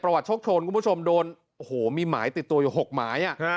วัดโชคโชนคุณผู้ชมโดนโอ้โหมีหมายติดตัวอยู่๖หมาย